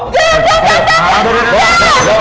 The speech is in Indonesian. jangan jangan jangan